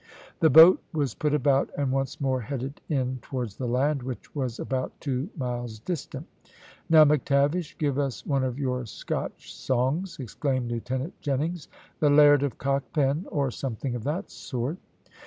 The boat was put about, and once more headed in towards the land, which was about two miles distant. "Now McTavish, give us one of your Scotch songs," exclaimed Lieutenant Jennings; "the `Laird of Cockpen,' or something of that sort."